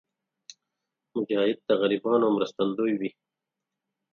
مجاهد د غریبانو مرستندوی وي.